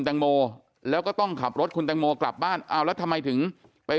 แตงโมแล้วก็ต้องขับรถคุณแตงโมกลับบ้านเอาแล้วทำไมถึงไป